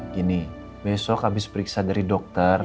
gini besok habis periksa dari dokter